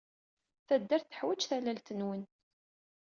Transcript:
Taddart teḥwaj tallalt-nwen.